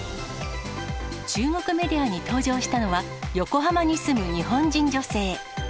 中国メディアに登場したのは、横浜に住む日本人女性。